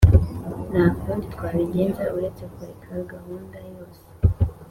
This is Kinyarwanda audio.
nta kundi twabigenza uretse kureka gahunda yose.